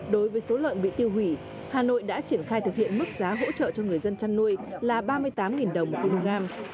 đối với số lợn bị tiêu hủy hà nội đã triển khai thực hiện mức giá hỗ trợ cho người dân chăn nuôi là ba mươi tám đồng một kg